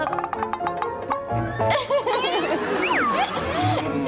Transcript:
ขอบคุณค่ะ